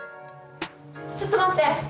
ちょっと待って！